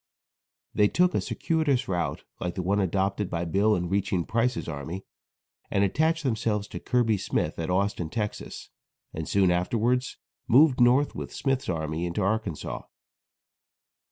They took a circuitous route like the one adopted by Bill in reaching Price's army, and attached themselves to Kirby Smith at Austin, Texas, and soon afterwards moved north with Smith's army into Arkansas.